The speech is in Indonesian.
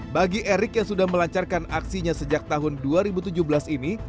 bagi erik yang sudah melancarkan aksinya sejak tahun dua ribu tujuh belas ini